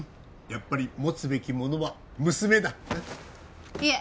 やっぱり持つべきものは娘だいえ